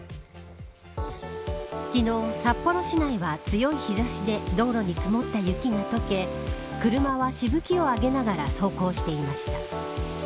昨日、札幌市内は強い日差しで道路に積もった雪が解け車は、しぶきを上げながら走行していました。